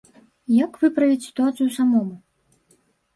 Як выправіць сітуацыю самому?